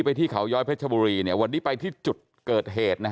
ไปที่เขาย้อยพัฒนาประชบุรีวันนี้ไปที่จุดเกิดเหตุ